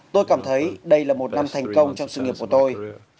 tôi cảm thấy đây là một năm thành công trong sự nghiệp của tôi